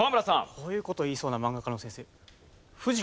こういう事言いそうな漫画家の先生。